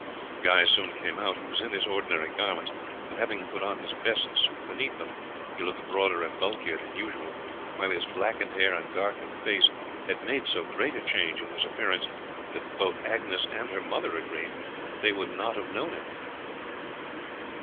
Guy soon came out. He was in his ordinary garments, but having put on his best suit beneath them he looked broader and bulkier than usual, while his blackened hair and darkened face had made so great a change in his appearance that both Agnes and her mother agreed that they would not have known him.